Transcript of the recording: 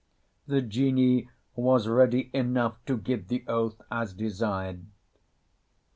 The Genie was ready enough to give the oath as desired.